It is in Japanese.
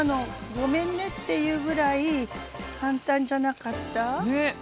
ごめんねっていうぐらい簡単じゃなかった？ね。